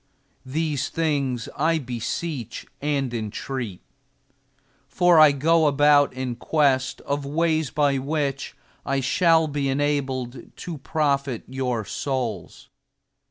These things I beseech and entreat; for I go about in quest of ways by which I shall be enabled to profit your souls.